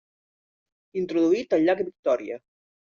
Introduït al llac Victòria.